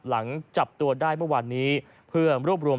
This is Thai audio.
หลังจับตัวได้เมื่อวานนี้เพื่อรวบรวม